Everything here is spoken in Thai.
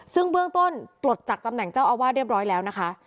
ซึ่งเบื้องต้นปลดจากตำแหน่งเจ้าอาวาสเรียบร้อยแล้วนะคะ